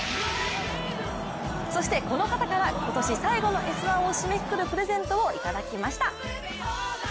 そして、この方から今年最後の「Ｓ☆１」を締めくくるプレゼントをいただきました。